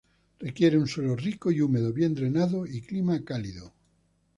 Requiere un suelo rico y húmedo, bien drenado y clima cálido.